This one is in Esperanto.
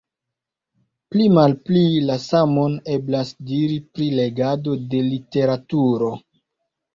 Pli-malpli la samon eblas diri pri legado de literaturo.